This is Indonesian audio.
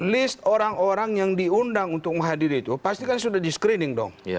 list orang orang yang diundang untuk menghadiri itu pasti kan sudah di screening dong